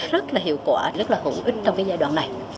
rất là hiệu quả rất là hữu ích trong cái giai đoạn này